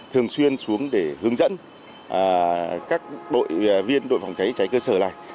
thường xuyên xuống để hướng dẫn các đội viên đội phòng cháy cháy cơ sở này